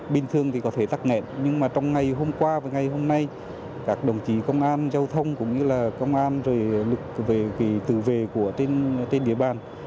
bình thường thì có thể tắc nghẹn nhưng mà trong ngày hôm qua và ngày hôm nay các đồng chí công an giao thông cũng như là công an rồi lực về tự vệ của trên địa bàn